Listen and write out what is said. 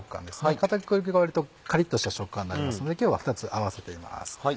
片栗粉は割とカリっとした食感になりますので今日は２つ合わせています。